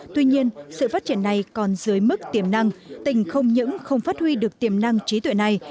tuy nhiên sự phát triển này còn dưới mức tiềm năng tỉnh không những không phát huy được tiềm năng trí tuệ này